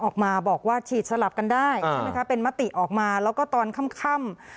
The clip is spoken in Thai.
ออกมาบอกว่าฉีดสลับกันได้ใช่ไหมคะเป็นมติออกมาแล้วก็ตอนค่ำ